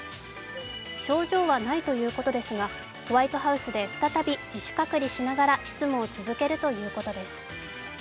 症状はないということですがホワイトハウスで再び自主隔離しながら執務を続けるということです。